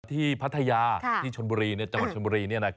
พัทยาที่ชนบุรีจังหวัดชนบุรี